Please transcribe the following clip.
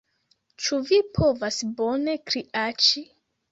Ĉu vi povas bone kriaĉi?